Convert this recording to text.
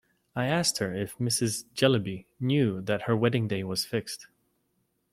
I asked her if Mrs. Jellyby knew that her wedding-day was fixed.